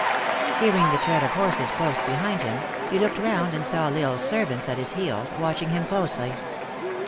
Hearing the tread of horses close behind him, he looked round and saw L Isle s servants at his heels, watching him closely.